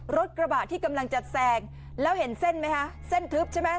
รถกระบะที่กำลังจะแซงแล้วเห็นเส้นไหมคะเส้นทึบใช่ไหม